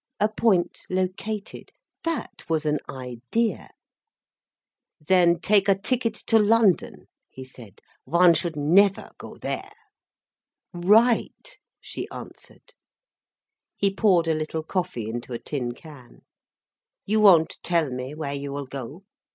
A point located. That was an idea! "Then take a ticket to London," he said. "One should never go there." "Right," she answered. He poured a little coffee into a tin can. "You won't tell me where you will go?"